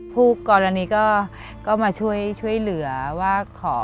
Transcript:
โปรดติดตามตอนต่อไป